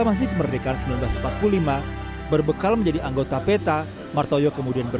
iya karena kalau saya pengalaman perang itu menurut mejanya